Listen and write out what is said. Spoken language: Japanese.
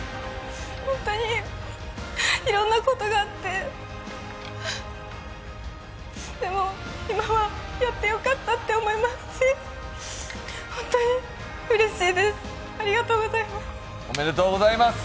本当にいろんなことがあって、でも、今はやってよかったって思いますし本当にうれしいです、ありがとうございます。